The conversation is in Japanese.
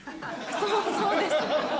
そうです。